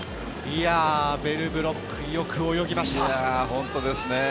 ヴェルブロックよく動きました。